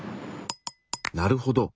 なるほど。